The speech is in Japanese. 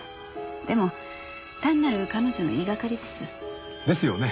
でも単なる彼女の言いがかりです。ですよね。